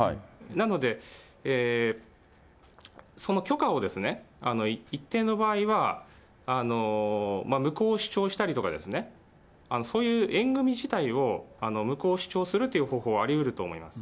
なので、その許可を一定の場合は、無効を主張したりとか、そういう縁組自体を無効を主張するという方法はありうると思いま